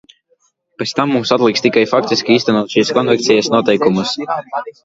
Pēc tam mums atliks tikai faktiski īstenot šīs konvencijas noteikumus.